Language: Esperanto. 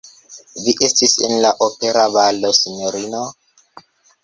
Vi estis en la opera balo, sinjorino?